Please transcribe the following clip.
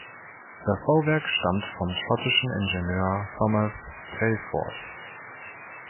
Das Bauwerk stammt vom schottischen Ingenieur Thomas Telford.